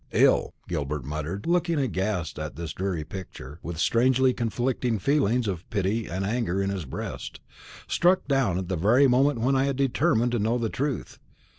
"Ill," Gilbert muttered, looking aghast at this dreary picture, with strangely conflicting feelings of pity and anger in his breast; "struck down at the very moment when I had determined to know the truth."